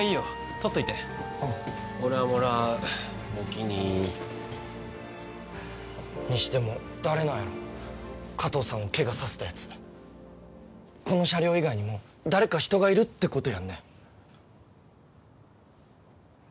取っといて俺はもらうおおきににしても誰なんやろ加藤さんをケガさせたやつこの車両以外にも誰か人がいるってことやんね？